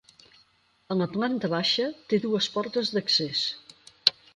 A la planta baixa té dues portes d'accés.